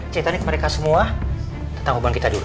ceritain ke mereka semua tentang hubungan kita dulu